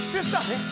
えっ？